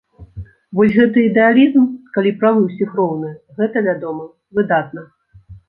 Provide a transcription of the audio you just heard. Вось гэты ідэалізм, калі правы ўсіх роўныя, гэта, вядома, выдатна.